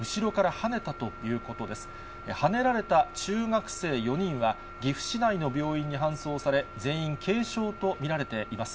はねられた中学生４人は、岐阜市内の病院に搬送され、全員軽傷と見られています。